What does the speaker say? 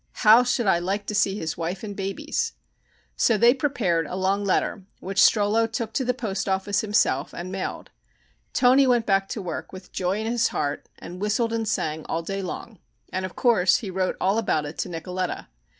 How should I like to see his wife and babies!" So they prepared a long letter which Strollo took to the post office himself and mailed. Toni went back to work with joy in his heart and whistled and sang all day long, and, of course, he wrote all about it to Nicoletta.